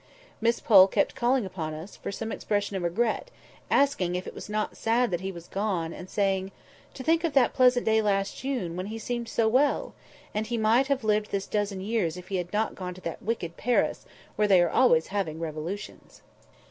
Miss Pole kept calling upon us for some expression of regret, by asking if it was not sad that he was gone, and saying— "To think of that pleasant day last June, when he seemed so well! And he might have lived this dozen years if he had not gone to that wicked Paris, where they are always having revolutions."